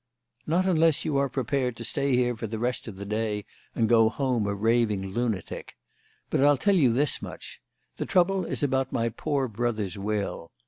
"Not unless you are prepared to stay here for the rest of the day and go home a raving lunatic. But I'll tell you this much: the trouble is about my poor brother's will.